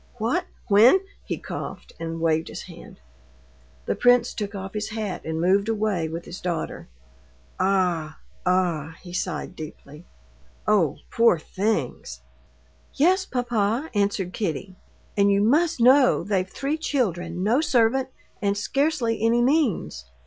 "What, when...." He coughed and waved his hand. The prince took off his hat and moved away with his daughter. "Ah! ah!" he sighed deeply. "Oh, poor things!" "Yes, papa," answered Kitty. "And you must know they've three children, no servant, and scarcely any means.